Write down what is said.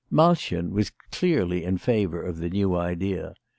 Malchen was clearly in favour of the new idea.